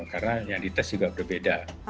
karena yang dites juga berbeda